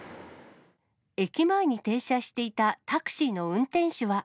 駅前に停車していたタクシーの運転手は。